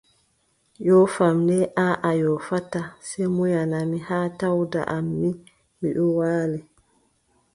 Yoofam le, aaʼa mi yoofataa, sey munyana mi haa tawɗa mi ɗon waali,